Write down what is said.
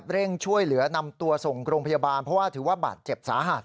เร่งช่วยเหลือนำตัวส่งโรงพยาบาลเพราะว่าถือว่าบาดเจ็บสาหัส